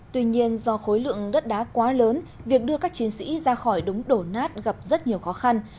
tuy nhiên do khối lượng đất đá quá lớn việc đưa các chiến sĩ ra khỏi đống đổ nát gặp rất nhiều khó khăn